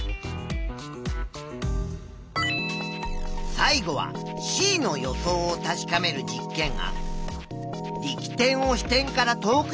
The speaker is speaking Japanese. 最後はＣの予想を確かめる実験案。